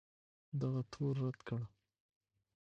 دغه تور رد کړ